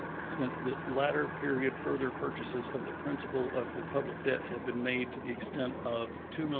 Since this latter period further purchases of the principal of the public debt have been made to the extent of $2,456,547.